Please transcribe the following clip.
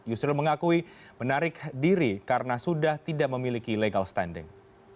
yusril mengakui menarik diri karena sudah tidak memiliki legal standing